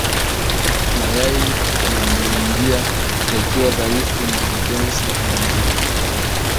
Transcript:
Mayai yameingia yakiwa dhaifu na mepesi kuvunjika